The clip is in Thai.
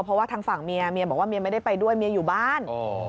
เพราะว่าทางฝั่งเมียเมียบอกว่าเมียไม่ได้ไปด้วยเมียอยู่บ้าน